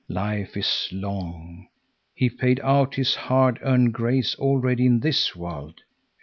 Life is long. He paid out his hard earned grace already in this world.